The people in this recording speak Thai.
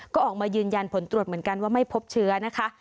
ก็ออกมายืนยันผลตรวจเหมือนกันว่าไม่พบเชื้อนะคะ